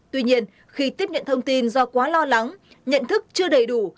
tuy nhiên khi tiếp nhận thông tin do quá lo lắng nhận thức chưa đầy đủ